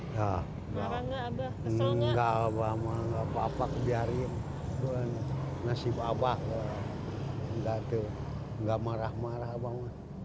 tidak marah marah abah